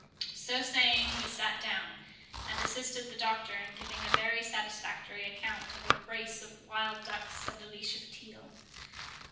So saying he sat down, and assisted the Doctor in giving a very satisfactory account of a brace of wild ducks and a leash of teal.